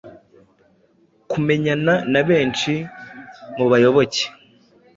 kumenyana na benshi mu bayoboke